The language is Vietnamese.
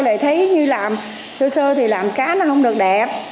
thì thấy như làm sơ sơ thì làm cá nó không được đẹp